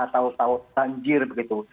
tau tau banjir begitu